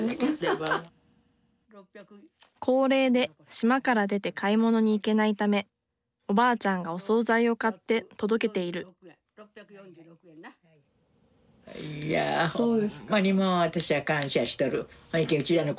高齢で島から出て買い物に行けないためおばあちゃんがお総菜を買って届けているいやうん。